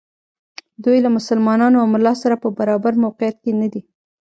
دوی له مسلمان او ملا سره په برابر موقعیت کې ندي.